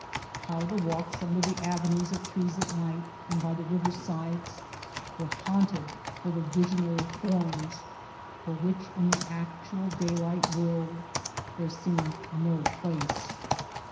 1 How the walks under the avenues of trees at night, and by the river sides, were haunted full of visionary form's for which in the actual daylight world there seemed no place